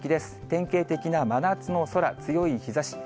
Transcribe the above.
典型的な真夏の空、強い日ざし。